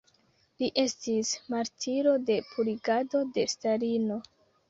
Li estis martiro de purigado de Stalino.